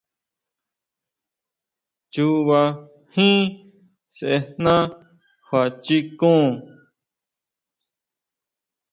Chuba jín sʼejná kjuachikon.